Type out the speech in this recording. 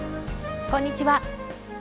こんにちは。